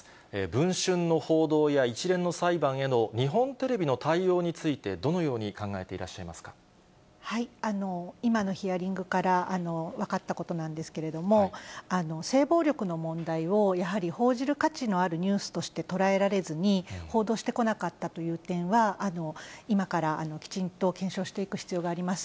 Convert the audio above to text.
文春の報道や一連の裁判への日本テレビの対応について、どのよう今のヒアリングから分かったことなんですけれども、性暴力の問題をやはり報じる価値のあるニュースとして捉えられずに、報道してこなかったという点は、今からきちんと検証していく必要があります。